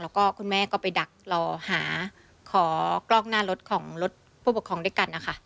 แล้วก็คุณแม่ก็ไปดักรอหาขอกล้องหน้ารถของรถผู้ปกครองด้วยกันนะคะ